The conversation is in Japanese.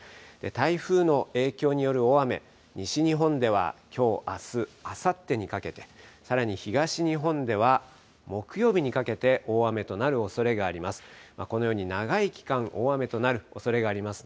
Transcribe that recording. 台風の影響による大雨、西日本ではきょう、あす、あさってにかけて、さらに東日本では木曜日にかけて、大雨となるおそれがあります。